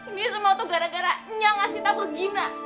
ini semua tuh gara gara nya ngasih tabur gina